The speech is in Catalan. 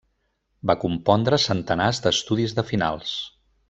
Va compondre centenars d'estudis de finals.